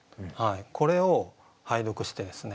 これを拝読してですね